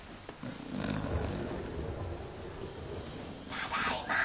ただいま。